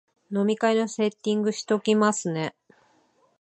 飲み会のセッティングしときますね